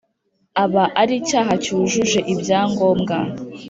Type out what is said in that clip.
aba ari icyaha cyujuje ibyangombwa.